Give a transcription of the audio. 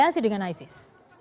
dari situ dengan isis